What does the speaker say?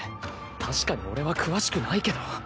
確かに俺は詳しくないけど。